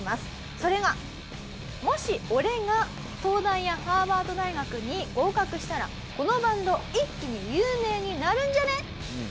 それがもし俺が東大やハーバード大学に合格したらこのバンド一気に有名になるんじゃね？